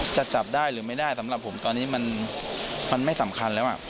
จับได้หรือไม่ได้สำหรับผมตอนนี้มันไม่สำคัญแล้ว